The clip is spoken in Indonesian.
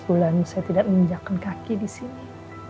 delapan belas bulan saya tidak menjauhkan kaki di sini